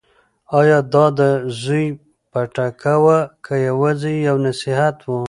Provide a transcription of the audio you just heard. ایا دا د زوی پټکه وه که یوازې یو نصیحت و؟